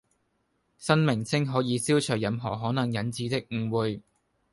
新名稱可以消除任何可能引致的誤會